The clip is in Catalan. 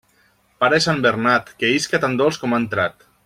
Pare sant Bernat, que isca tan dolç com ha entrat.